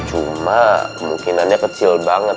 cuma kemungkinannya kecil banget